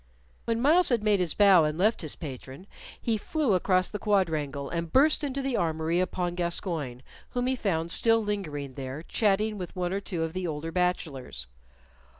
When Myles had made his bow and left his patron, he flew across the quadrangle, and burst into the armory upon Gascoyne, whom he found still lingering there, chatting with one or two of the older bachelors.